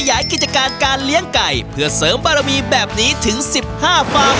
ขยายกิจการการเลี้ยงไก่เพื่อเสริมประมาณมีแบบนี้ถึงสิบห้าฟาร์มเลยละครับ